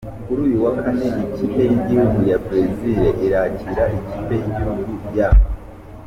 Kuri uyu wa kane ikipe y'igihugu ya Bresil irakira ikipe y'igihugu ya.